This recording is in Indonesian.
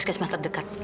kamu sudah selesai